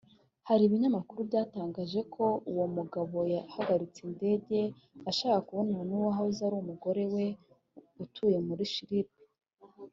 Hari ibinyamakuru byatangaje ko uwo mugabo yahagaritse indege ashaka kubonana n’uwahoze ari umugore we utuye muri Chypre